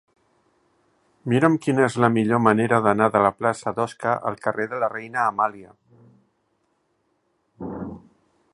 Mira'm quina és la millor manera d'anar de la plaça d'Osca al carrer de la Reina Amàlia.